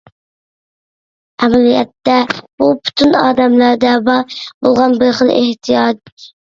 ئەمەلىيەتتە بۇ پۈتۈن ئادەملەردە بار بولغان بىر خىل ئېھتىياج.